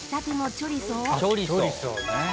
「チョリソね」